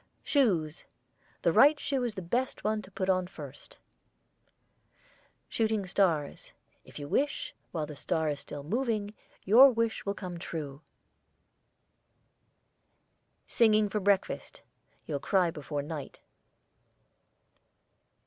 SHOES. The right shoe is the best one to put on first. SHOOTING STARS. If you wish, while the star is still moving, your wish will come true. SINGING before breakfast, you'll cry before night.